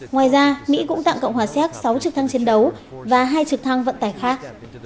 ngoài ra mỹ cũng tặng cộng hòa xéc sáu trực thăng chiến đấu và hai trực thăng vận tải khác